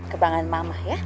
kebanggaan mama ya